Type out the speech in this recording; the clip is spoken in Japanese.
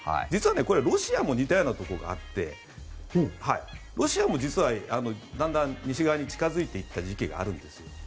実はこれ、ロシアも似たようなところがあってロシアも実はだんだん西側に近付いていった時期があるんですよ。